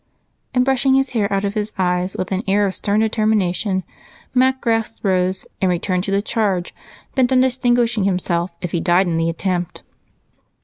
And, brushing his hair out of his eyes with an air of stern determination, Mac grasped Rose and returned to the charge bent on distinguishing himself if he died in the attempt.